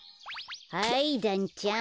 はいだんちゃん。